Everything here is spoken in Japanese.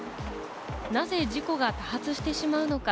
なぜ事故が多発してしまうのか。